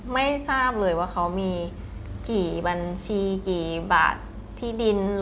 ไม่ทราบเลยว่าเขามีกี่บัญชีกี่บาทที่ดิน